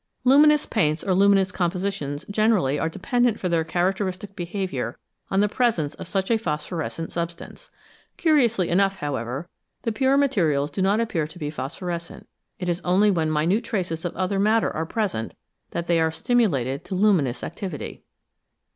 Luminous paints or luminous compositions generally are dependent for their characteristic behaviour on the pre sence of such a phosphorescent substance. Curiously enough, however, the pure materials do not appear to be phosphorescent ; it is only when minute traces of other matter are present that they are stimulated to luminous activity.